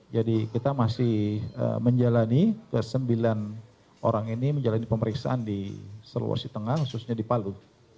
jadi kita masih menjalani sembilan orang ini menjalani pemeriksaan di seluasi tengah khususnya di palu